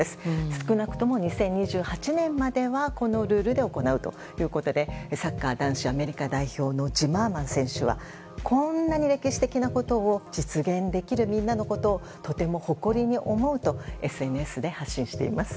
少なくとも２０２８年まではこのルールで行うということでサッカー男子アメリカ代表のジマーマン選手はこんなに歴史的なことを実現できるみんなのことをとても誇りに思うとＳＮＳで発信しています。